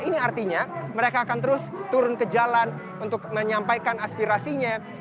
ini artinya mereka akan terus turun ke jalan untuk menyampaikan aspirasinya